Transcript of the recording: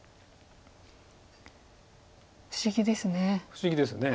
不思議ですね。